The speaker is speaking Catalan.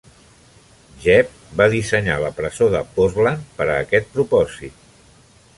Jebb va dissenyar la presó de Portland per a aquest propòsit.